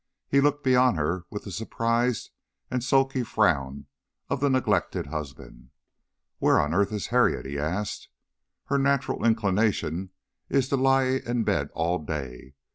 He looked beyond her with the surprised and sulky frown of the neglected husband. "Where on earth is Harriet?" he asked. "Her natural inclination is to lie in bed all day.